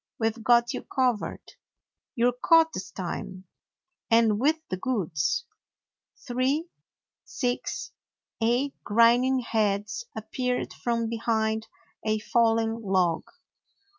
We 've got you covered. You 're caught this time; and with the goods." Three, six, eight grinning heads appeared from behind a fallen log.